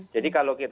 jadi kalau kita